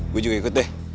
gue juga ikut deh